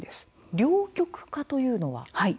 両極化というのは？